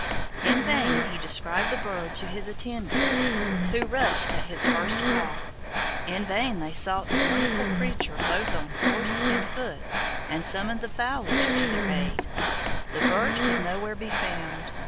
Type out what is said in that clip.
In vain he described the bird to his attendants, who rushed at his first call; in vain they sought the wonderful creature both on horse and foot, and summoned the fowlers to their aid: the bird could nowhere be found.